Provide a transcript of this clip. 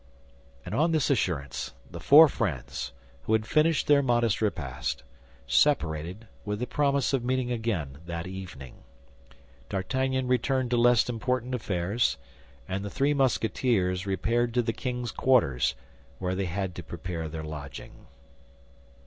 And on this assurance, the four friends, who had finished their modest repast, separated, with the promise of meeting again that evening. D'Artagnan returned to less important affairs, and the three Musketeers repaired to the king's quarters, where they had to prepare their lodging.